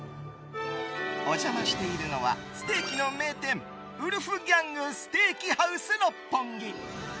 お邪魔しているのはステーキの名店ウルフギャングステーキハウス六本木。